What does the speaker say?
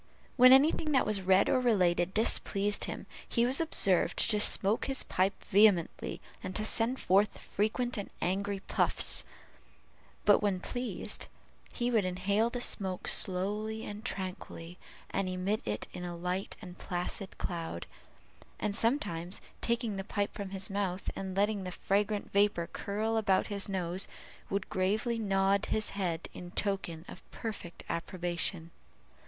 When any thing that was read or related displeased him, he was observed to smoke his pipe vehemently, and to send forth, frequent, and angry puffs; but when pleased, he would inhale the smoke slowly and tranquilly, and emit it in light and placid clouds, and sometimes, taking the pipe from his mouth, and letting the fragrant vapor curl about his nose, would gravely nod his head in token of perfect approbation.